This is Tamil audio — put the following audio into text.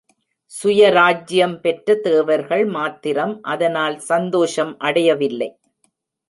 சுயராஜ்யம் பெற்ற தேவர்கள் மாத்திரம் அதனால் சந்தோஷம் அடையவில்லை.